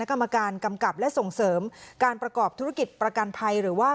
กรรมการกำกับและส่งเสริมการประกอบธุรกิจประกันภัยหรือว่า